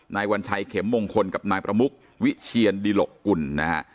วัญชัยเข็มมงคลกับนายประมุกวิเชียนดิหลกกุลนะฮะ